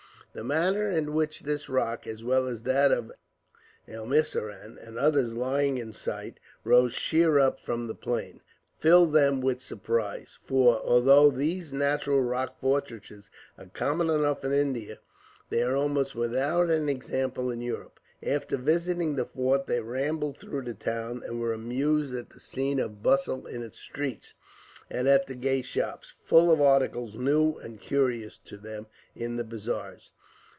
The manner in which this rock, as well as that of Elmiseram and others lying in sight, rose sheer up from the plain, filled them with surprise; for, although these natural rock fortresses are common enough in India, they are almost without an example in Europe. After visiting the fort they rambled through the town, and were amused at the scene of bustle in its streets; and at the gay shops, full of articles new and curious to them, in the bazaars.